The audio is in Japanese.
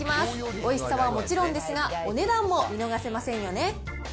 おいしさはもちろんですが、お値段も見逃せませんよね。